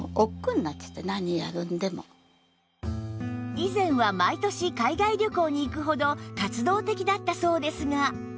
以前は毎年海外旅行に行くほど活動的だったそうですが